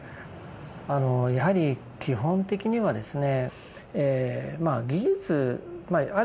やはり基本的にはですね